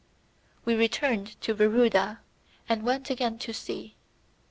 We returned to Veruda, and went again to sea.